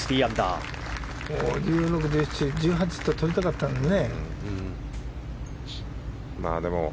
１６、１７、１８ととりたかったのにね。